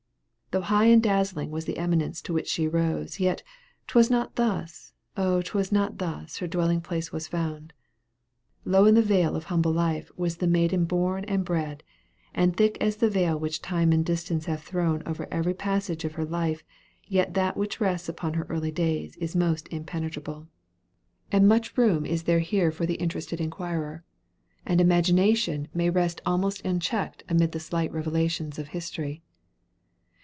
Though high and dazzling was the eminence to which she rose, yet "'twas not thus, oh 'twas not thus, her dwelling place was found." Low in the vale of humble life was the maiden born and bred; and thick as is the veil which time and distance have thrown over every passage of her life yet that which rests upon her early days is most impenetrable. And much room is there here for the interested inquirer, and Imagination may rest almost unchecked amid the slight revelations of History.